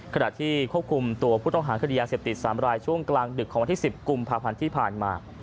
ขณะที่ควบคุมตัวผู้ต้องหาคดียาเสพติด๓รายช่วงกลางดึกของวันที่๑๐กุมภาพันธ์ที่ผ่านมา